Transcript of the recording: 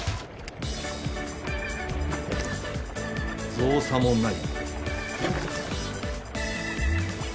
造作もない。